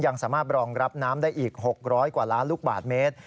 ยังสามารถรองรับน้ำได้อีก๖๐๐กว่าล้านลูกบาทเมตร